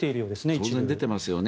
当然出てますよね。